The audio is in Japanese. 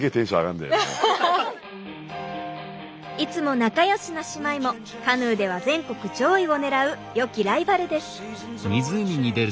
いつも仲よしな姉妹もカヌーでは全国上位を狙うよきライバルです。